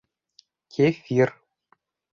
Кефир